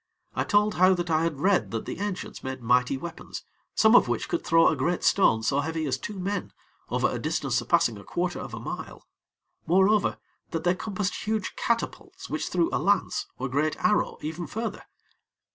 I told how that I had read that the ancients made mighty weapons, some of which could throw a great stone so heavy as two men, over a distance surpassing a quarter of a mile; moreover, that they compassed huge catapults which threw a lance, or great arrow, even further.